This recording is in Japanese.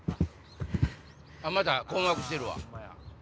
あっまた困惑してるわ。